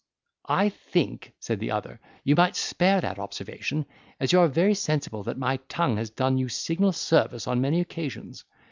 "I think," said the other, "you might spare that observation, as you are very sensible, that my tongue has done you signal service on many occasions.